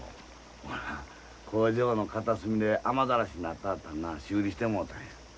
工場の片隅で雨ざらしになってあったんな修理してもろたんや。